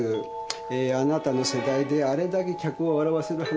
えーあなたの世代であれだけ客を笑わせる噺家さん